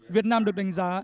việt nam được đánh giá